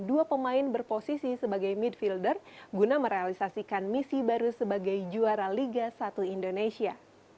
dua pemain berposisi sebagai midfielder guna merealisasikan misi baru sebagai juara liga satu indonesia